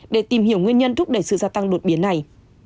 để tìm hiểu nguyên nhân thúc đẩy sự gia tăng đột biến này